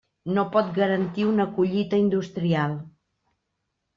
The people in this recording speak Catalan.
No pot garantir una collita industrial.